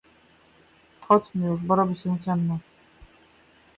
Chodźmy już bo robi się ciemno.